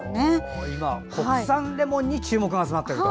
今、国産レモンに注目が集まっていると。